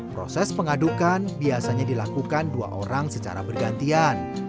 proses pengadukan biasanya dilakukan dua orang secara bergantian